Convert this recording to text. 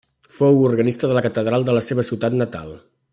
Fou organista de la catedral de la seva ciutat natal.